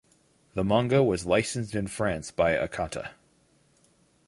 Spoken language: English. The manga was licensed in France by Akata.